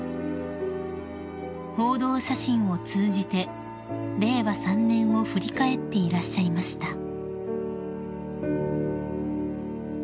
［報道写真を通じて令和３年を振り返っていらっしゃいました］